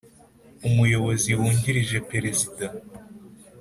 Umuyobozi wungirije perezida